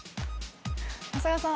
長谷川さん。